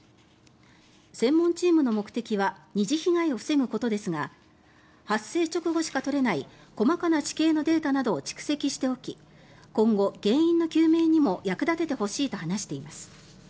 専門チームの目的は二次被害を防ぐことですが発生直後しか取れない細かな地形のデータなどを蓄積しておき今後、原因の究明にも役立ててほしいと話しています。